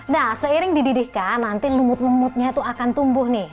nah seiring dididihkan nanti lumut lumutnya itu akan tumbuh nih